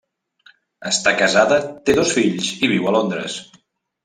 Està casada, té dos fills i viu a Londres.